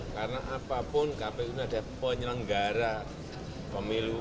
karena apapun kpu ini ada penyelenggara pemilu